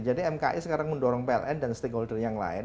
jadi mki sekarang mendorong pln dan stakeholder yang lain